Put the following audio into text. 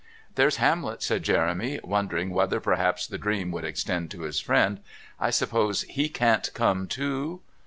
"There's Hamlet," said Jeremy, wondering whether perhaps the dream would extend to his friend. "I suppose he can't come too."